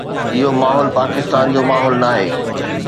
اهو ماحول پاڪستان جو ماحول ناهي.